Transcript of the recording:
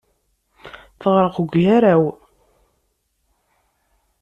Teɣreq deg ugaraw.